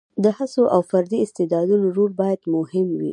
د هڅو او فردي استعداد رول باید مهم وي.